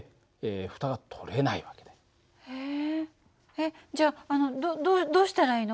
えっじゃああのどどうしたらいいの？